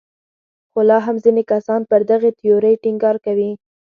خو لا هم ځینې کسان پر دغې تیورۍ ټینګار کوي.